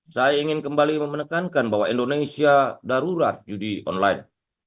saya ingin kembali memenekan bahwa indonesia darurat judi online